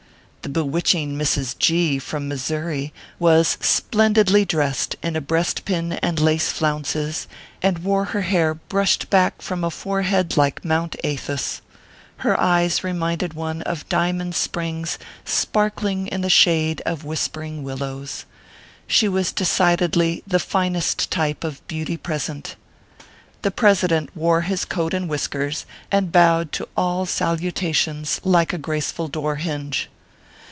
The bewitching Mrs. G , from Missouri, was splendidly dressed in a breastpin and lace flounces, and wore her hair brushed back from a forehead like Mount Athos. Her eves reminded one of diamond ORPHEUS C, KERR PAPERS. 201 springs sparkling in the shade of whispering willows. She was decidedly the finest type of beauty present. The President wore his coat and whiskers, and bowed to all salutations like a graceful door hinge.